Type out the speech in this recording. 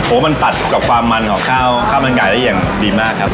โอ้โหมันตัดกับความมันของข้าวมันไก่ได้อย่างดีมากครับ